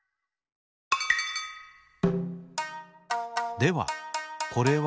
ではこれは？